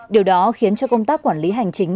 điều đó khiến cho công tác quản lý hành chính